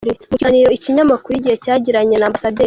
Mu kiganiro ikinyamakuru Igihe cyagiranye n’Amb.